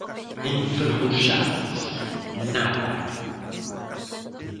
Enferruxados, nada.